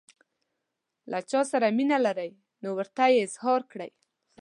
له چا سره مینه لرئ نو ورته یې اظهار کړئ.